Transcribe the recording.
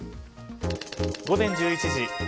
午前１１時。